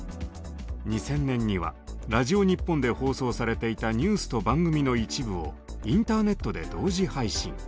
２０００年にはラジオ日本で放送されていたニュースと番組の一部をインターネットで同時配信。